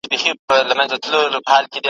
ته به شکرباسې ځکه چي ښایسته یم ,